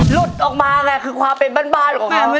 หลุดออกมาไงคือความเป็นบ้านของแม่